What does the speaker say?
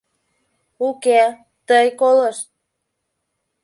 — Уке, тый колышт.